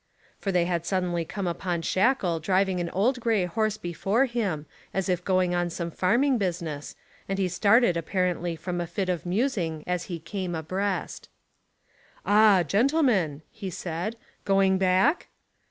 For they had suddenly come upon Shackle driving an old grey horse before him as if going on some farming business, and he started apparently from a fit of musing as he came abreast. "Ah, gentlemen," he said; "going back?"